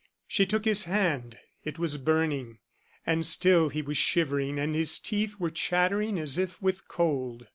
She took his hand; it was burning; and still he was shivering, and his teeth were chattering as if with cold.